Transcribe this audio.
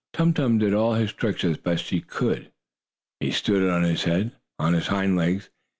Tum Tum did all his tricks as best he could. He stood on his head, and on his hind legs.